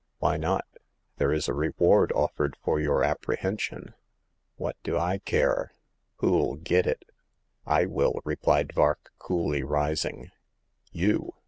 Why not ? There is a reward offered for your apprehension." '' What d' I care ?" Wholl git it ?"I will !" replied Vark, coolly, rising. •'You